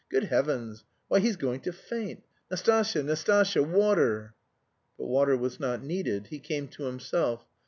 "Good heavens! Why he's going to faint. Nastasya, Nastasya, water!" But water was not needed. He came to himself.